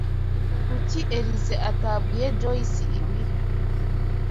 Kuki Elyse atabwiye Joyce ibi?